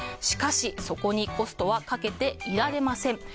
しかし、そこにコストはかけていられません。